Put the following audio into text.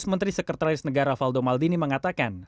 menteri sekretaris negara valdo maldini mengatakan